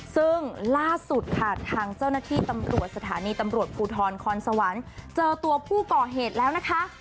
ซึ่งล่าสุดค่ะทางเจ้าหน้าที่ตำรวจสถานีตำรวจภูทรคอนสวรรค์เจอตัวผู้ก่อเหตุแล้วนะคะ